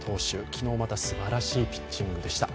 昨日、またすばらしいピッチングでした。